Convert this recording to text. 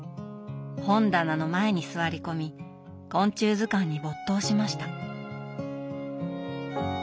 本棚の前に座り込み昆虫図鑑に没頭しました。